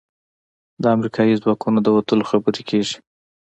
د امریکايي ځواکونو د وتلو خبرې کېږي.